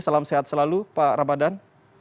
salam sehat selalu pak ramadan